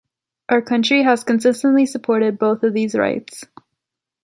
Our country has consistently supported both of these rights.